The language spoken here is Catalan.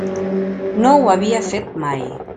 No ho havia fet mai.